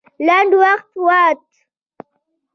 لنډ وخت ووت.